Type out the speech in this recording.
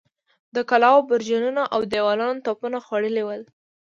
د کلاوو برجونه اودېوالونه توپونو خوړلي ول.